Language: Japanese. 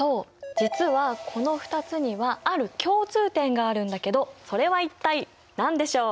実はこの２つにはある共通点があるんだけどそれは一体何でしょう？